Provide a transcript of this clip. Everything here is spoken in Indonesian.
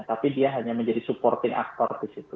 tapi dia hanya menjadi supporting actor di situ